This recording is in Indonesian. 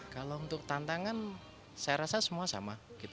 kalau untuk tantangan saya rasa semua sama